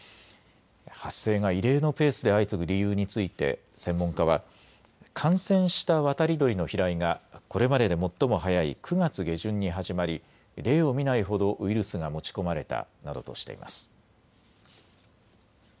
発生が異例のペースで相次ぐ理由について専門家は感染した渡り鳥の飛来がこれまでで最も早い９月下旬に始まり例を見ないほどウイルスが持ち込まれたなどとしています。